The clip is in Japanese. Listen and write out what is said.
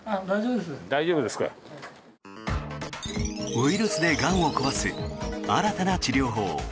ウイルスでがんを壊す新たな治療法。